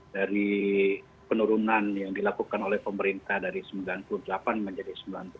dari penurunan yang dilakukan oleh pemerintah dari sembilan puluh delapan menjadi sembilan puluh delapan